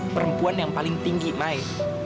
perempuan yang paling tinggi mai